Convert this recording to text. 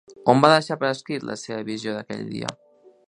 On va deixar per escrit la seva visió d'aquell dia?